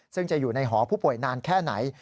ซึ่งจะอยู่ในหอผู้ป่วยนานแค่ไหน